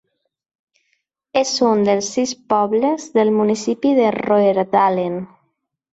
És un dels sis pobles del municipi de Roerdalen.